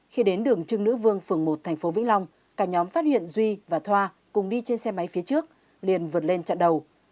khi đến đường trưng nữ vương phường một tp vĩnh long cả nhóm phát hiện duy và thoa cùng đi trên xe máy phía trước liền vượt lên chặn đầu